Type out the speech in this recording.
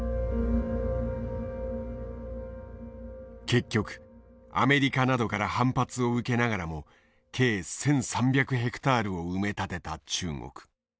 結局アメリカなどから反発を受けながらも計１，３００ヘクタールを埋め立てた中国。